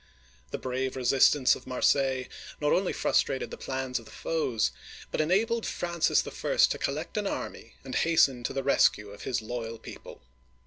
The brave resistance of Marseilles not only frustrated the plans of the foes, but enabled Francis I. to collect an army and hasten to the rescue of his loyal people.